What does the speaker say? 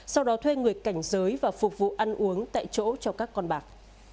sau đó thuê người cảnh giới và phục vụ ăn uống tại chỗ cho các con bạc